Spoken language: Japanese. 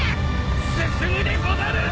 進むでござる！